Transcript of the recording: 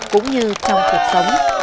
cũng như trong cuộc sống